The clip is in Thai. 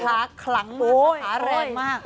ภาษาคลั้งภาษาแรงมาก